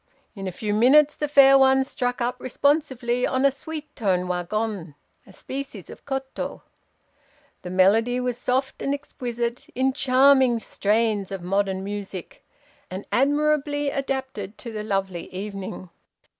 "In a few minutes the fair one struck up responsively on a sweet toned wagon (a species of koto). "The melody was soft and exquisite, in charming strains of modern music, and admirably adapted to the lovely evening.